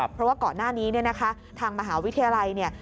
เพราะว่าก่อนหน้านี้ทางมหาวิทยาลัย